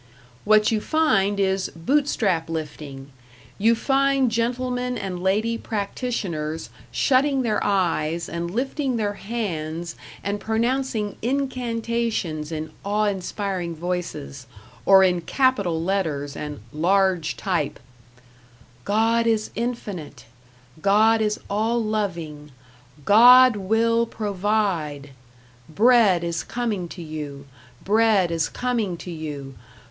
What you find is Bootstrap lifting; you find gentlemen and lady practitioners shutting their eyes and lifting their hands and pronouncing Incantations in awe inspiring voices or in Capital Letters and LARGE TYPE: "God is infinite, God is All Loving, #GOD WILL PROVIDE.# Bread is coming to you! #Bread is coming to you!!